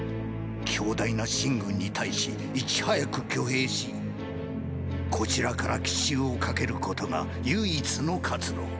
強大な秦軍に対し逸早く挙兵しこちらから奇襲をかけることが唯一の活路。